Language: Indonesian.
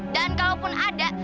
dan kalaupun ada